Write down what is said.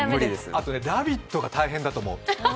あとね「ラヴィット！」が大変だと思う。